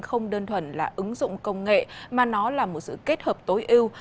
không đơn thuần là ứng dụng công nghệ mà nó là một sự kết hợp tối ưu